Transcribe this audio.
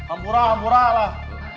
ampura ampura lah